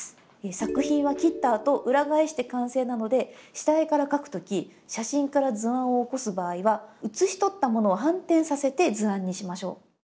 作品は切ったあと裏返して完成なので下絵から描く時写真から図案を起こす場合は写しとったものを反転させて図案にしましょう。